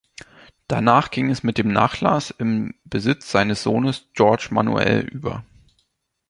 Danach ging es mit dem Nachlass in Besitz seines Sohnes Jorge Manuel über.